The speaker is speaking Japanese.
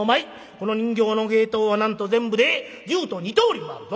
この人形の芸当はなんと全部で１０と２通りもあるぞ！